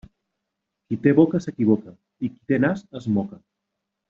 Qui té boca s'equivoca i qui té nas es moca.